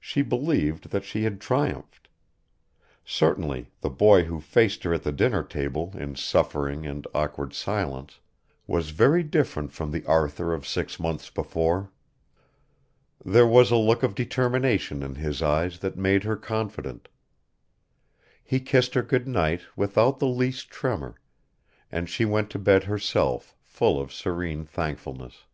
She believed that she had triumphed. Certainly, the boy who faced her at the dinner table in suffering and awkward silence was very different from the Arthur of six months before. There was a look of determination in his eyes that made her confident. He kissed her good night without the least tremor, and she went to bed herself full of serene thankfulness.